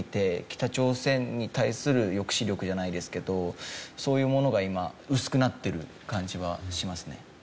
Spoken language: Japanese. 北朝鮮に対する抑止力じゃないですけどそういうものが今薄くなってる感じはしますね。